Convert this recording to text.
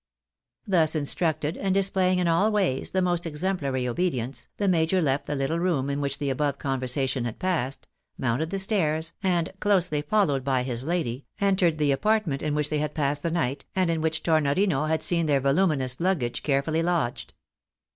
Thus instructed, and displaying in all ways the most exemplary obedience, the major left the Uttle room in which the above con 312 THE BARNABYS IN AMERICA, versation had passed, mounted the stairs, and, closely folio wed by his lady, entered the apartment in which they had passed the night and in which Tornorino had seen their voluminous luggage care fully lodged.